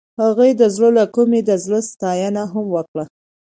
هغې د زړه له کومې د زړه ستاینه هم وکړه.